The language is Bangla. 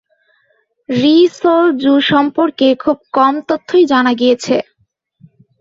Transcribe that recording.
রি সোল জু সম্পর্কে খুব কম তথ্যই জানা গিয়েছে।